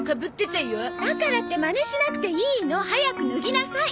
だからってまねしなくていいの！早く脱ぎなさい！